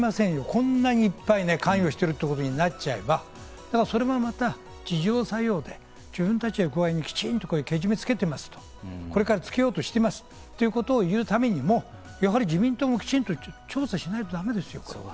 こんなにいっぱい関与してるということになっちゃえば、それはまた自浄作用で自分たちで、けじめをつけます、つけようとしていますということを言うためにも、やはり自民党もちゃんと調査しなきゃだめですよ。